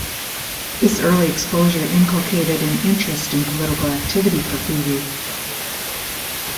This early exposure inculcated an interest in political activity for Hoori.